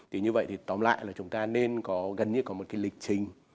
thì như vậy thì tóm lại là chúng ta nên có gần như có một cái lịch trình